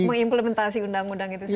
mengimplementasi undang undang itu sendiri